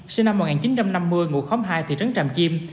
sinh năm một nghìn chín trăm năm mươi ngụ khóm hai thị trấn tràm chim